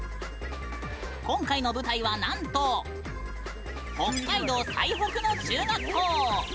今回の舞台はなんと北海道最北の中学校！